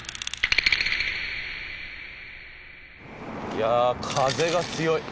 いや風が強い。